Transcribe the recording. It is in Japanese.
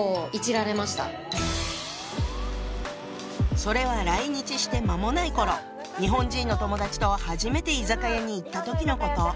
それは来日して間もない頃日本人の友達と初めて居酒屋に行った時のこと。